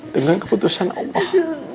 dengan keputusan allah